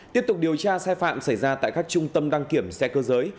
tiếp tục điều tra sai phạm xảy ra tại các trung tâm đăng kiểm xe cơ giới